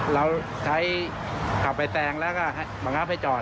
เราใช้ขับไปแซงแล้วก็บังคับให้จอด